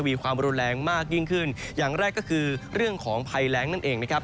มีความรุนแรงมากยิ่งขึ้นอย่างแรกก็คือเรื่องของภัยแรงนั่นเองนะครับ